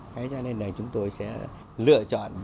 thế cho nên là chúng tôi sẽ lựa chọn